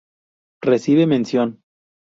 Recibe Mención.